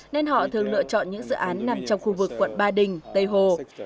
nên họ thường lựa chọn những dự án nằm trong khu vực quận ba đình tây hồ